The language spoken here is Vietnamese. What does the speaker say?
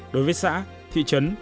đối với xã thị trấn dân